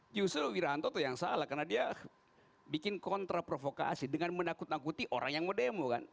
justru wiranto itu yang salah karena dia bikin kontra provokasi dengan menakuti orang yang mau demo